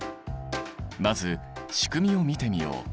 まず仕組みを見てみよう。